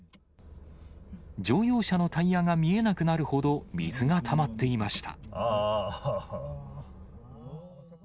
乗用車のタイヤが見えなくなるほど水がたまっていました。